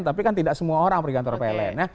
tapi kan tidak semua orang pergi kantor pln